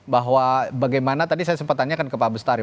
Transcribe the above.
bahwa bagaimana tadi saya sempat tanya kan ke pak bustari